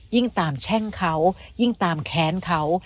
ตามแช่งเขายิ่งตามแค้นเขา